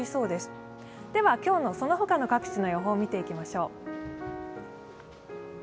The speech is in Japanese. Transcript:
では今日のその他の各地の予報、見ていきましょう。